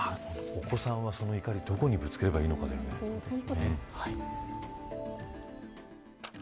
お子さんはどこにその怒りをぶつければいいかだよね。